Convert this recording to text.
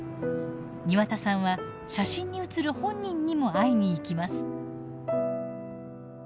庭田さんは写真に写る本人にも会いに行きます。